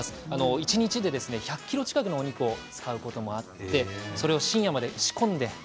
一日で１００ｋｇ近くのお肉を使うこともあってそれを深夜まで仕込んで。